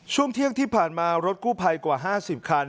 ช่วงเที่ยงที่ผ่านมารถกู้ภัยกว่า๕๐คัน